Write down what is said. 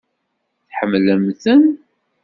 Tḥemmlem-ten?